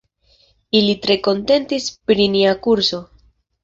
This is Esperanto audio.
Ili tre kontentis pri nia kurso.